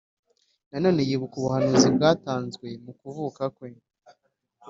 Na none yibuka ubuhanuzi bwatanzwe mu kuvuka kwe.